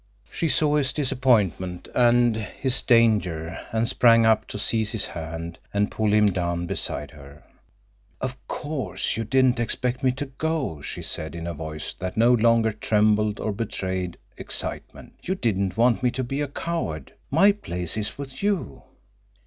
She saw his disappointment and his danger, and sprang up to seize his hand and pull him down beside her. "Of course you didn't expect me to go," she said, in a voice that no longer trembled or betrayed excitement. "You didn't want me to be a coward. My place is with you."